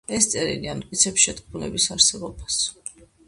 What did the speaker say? ეს წერილი ამტკიცებს შეთქმულების არსებობას.